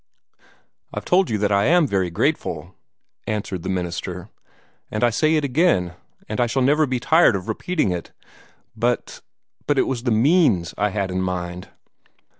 "I've told you that I am very grateful," answered the minister, "and I say it again, and I shall never be tired of repeating it. But but it was the means I had in mind."